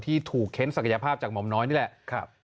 ที่ถูกเค้นศักยภาพจากหม่อมน้อยนี่แหละ